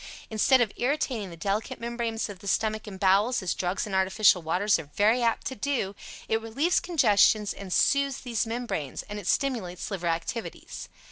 Instead of irritating the delicate membranes of the stomach and bowels, as drugs and artificial waters are very apt to do, it relieves congestions and soothes these membranes, and it stimulates liver activities.